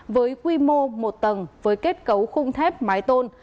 với quy mô một tầng với kết cấu khung thép mái tôn